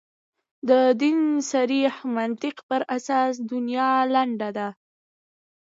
د دین صریح منطق پر اساس دنیا لنډه ده.